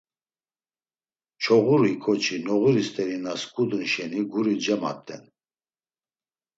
Çoğuri ǩoçi noğuri st̆eri na sǩudun şeni, guri cemat̆en!